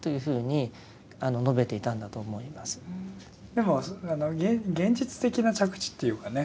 でも現実的な着地っていうかね。